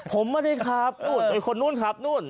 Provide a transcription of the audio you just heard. ผมไม่ได้ขับคนนู้นขับนู้น